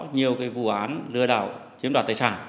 nhiều vụ án lừa đảo chiếm đoạt tài sản